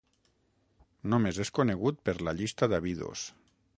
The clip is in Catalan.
Només és conegut per la llista d'Abidos.